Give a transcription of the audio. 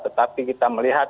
tetapi kita melihat